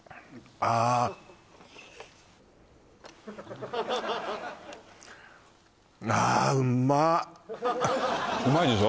あうまいでしょ？